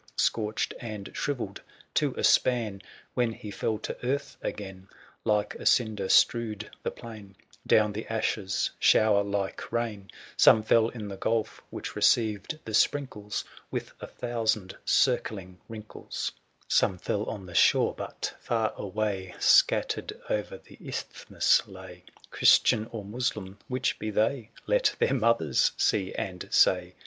Scorched and shrivelled to a span. When he fell to earth again Like a cinder strewed the plain : 90O' Down the ashes shower like rain ; Some fell in the gulf, which received the sprinkles With a thousand circling wrinkles y THE SIEGE OF CORINTH. 58, Some fell on the shore, but, far away, Scattered o'er the isthmus lay ; 995 Christian or Moslem, which be they ? Let their mothers see and say!